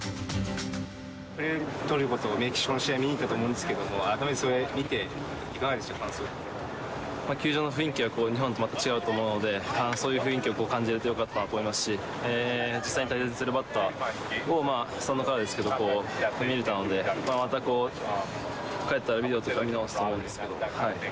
プエルトリコとメキシコの試合、見に行ったと思うんですけども、それ見て、いかがでした、球場の雰囲気は、日本とまた違うと思うので、そういう雰囲気を感じれてよかったと思いますし、実際に対戦するバッターを、スタンドからですけど、見れたので、また帰ったらビデオとか見直すと思うんですけど。